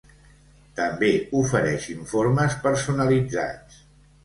També ofereix informes personalitzats.